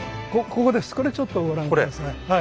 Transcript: これちょっとご覧下さい。